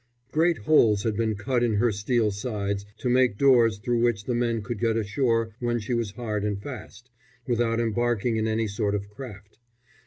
Great holes had been cut in her steel sides, to make doors through which the men could get ashore when she was hard and fast, without embarking in any sort of craft.